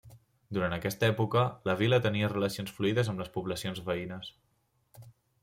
Durant aquesta època la vila tenia relacions fluides amb les poblacions veïnes.